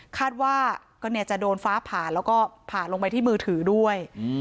คาดว่าก็จะโดนฟ้าผ่าแล้วก็ผ่าลงไปที่มือถือด้วย